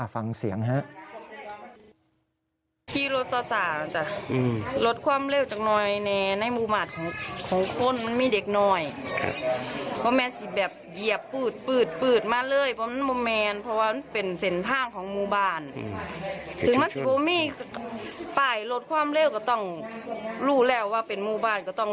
ฟังเสียงครับ